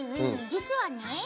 実はね